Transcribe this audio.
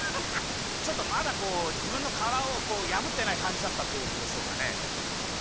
ちょっとまだこうじぶんのからをやぶってないかんじだったってことでしょうかね？